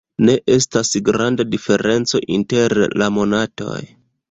Ne estas granda diferenco inter la monatoj.